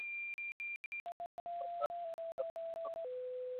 En la actualidad, estos suelos están ocupados por plantas forrajeras para el ganado ovino.